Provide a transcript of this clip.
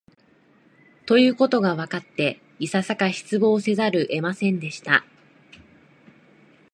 ということがわかって、いささか失望せざるを得ませんでした